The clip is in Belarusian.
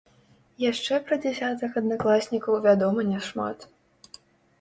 Яшчэ пра дзясятак аднакласнікаў вядома няшмат.